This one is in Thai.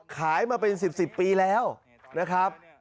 ขายมาเป็น๑๐ปีแล้วนะครับ